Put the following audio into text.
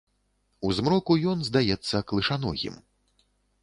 У змроку ён здаецца клышаногім.